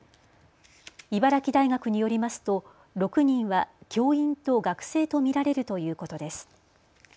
茨城大学によりますと６人は教員と学生と見られるということです。